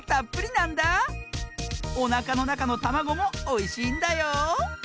おなかのなかのたまごもおいしいんだよ！